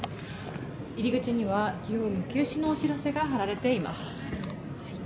入り口には休止のお知らせが貼られています。